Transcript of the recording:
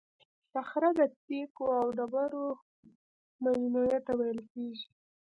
صخره د تیکو او ډبرو مجموعې ته ویل کیږي.